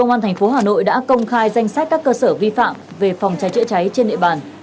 công an thành phố hà nội đã công khai danh sách các cơ sở vi phạm về phòng cháy chữa cháy trên địa bàn